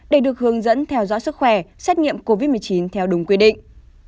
để được hướng dẫn theo dõi sức khỏe xét nghiệm covid một mươi chín theo đúng quy định